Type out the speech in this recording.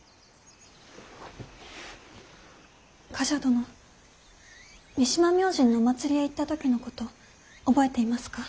冠者殿三島明神のお祭りへ行った時のこと覚えていますか？